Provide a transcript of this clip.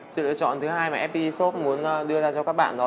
sự lựa chọn thứ hai mà fpg soap muốn đưa ra cho các bạn đó